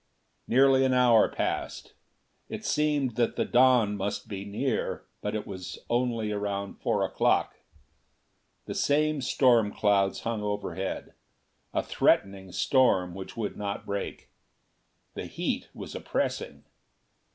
Nearly an hour passed. It seemed that the dawn must be near, but it was only around four o'clock. The same storm clouds hung overhead a threatening storm which would not break. The heat was oppressing.